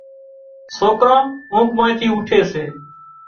سوڪران اونگھ مانئين ٿي اوٺي سي